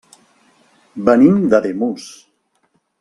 Venim d'Ademús.